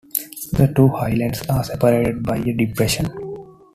The two highlands are separated by a depression.